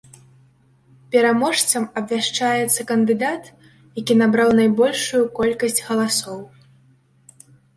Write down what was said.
Пераможцам абвяшчаецца кандыдат, які набраў найбольшую колькасць галасоў.